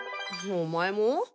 お前も？